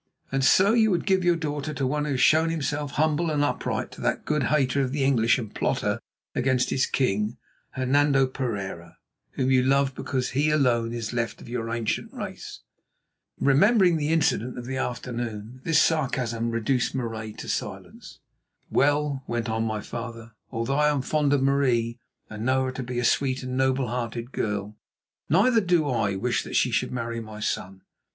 "And so you would give your daughter to one who has shown himself humble and upright, to that good hater of the English and plotter against his King, Hernando Pereira, whom you love because he alone is left of your ancient race." Remembering the incident of the afternoon, this sarcasm reduced Marais to silence. "Well," went on my father, "although I am fond of Marie, and know her to be a sweet and noble hearted girl, neither do I wish that she should marry my son.